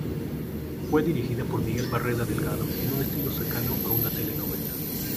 Fue dirigida por Miguel Barreda Delgado en un estilo cercano a una telenovela.